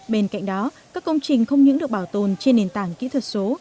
bên cạnh đó các công trình không những được bảo tồn trên nền tảng kỹ thuật số